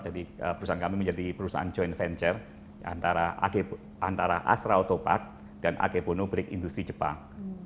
jadi perusahaan kami menjadi perusahaan joint venture antara astra auto park dan akebono break industri jepang